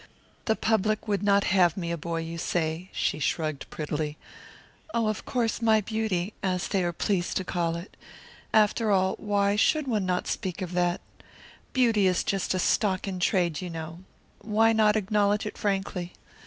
The public would not have me a boy, you say" she shrugged prettily "oh, of course, my beauty, as they are pleased to call it. After all, why should one not speak of that? Beauty is just a stock in trade, you know. Why not acknowledge it frankly?